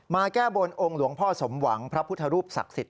แก้บนองค์หลวงพ่อสมหวังพระพุทธรูปศักดิ์สิทธิ